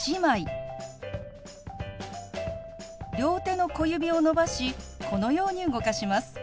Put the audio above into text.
両手の小指を伸ばしこのように動かします。